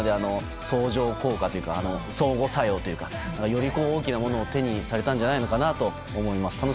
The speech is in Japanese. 相乗効果というか相互作用というかより大きなものを手にされたんじゃないのかなと思います。